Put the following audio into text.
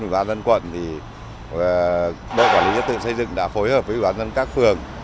quận ủy hội đồng dân quận bộ quản lý trật tự xây dựng đã phối hợp với quán dân các phường